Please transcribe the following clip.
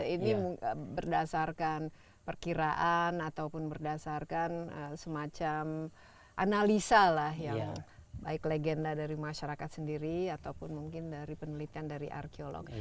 ini berdasarkan perkiraan ataupun berdasarkan semacam analisa lah yang baik legenda dari masyarakat sendiri ataupun mungkin dari penelitian dari arkeolog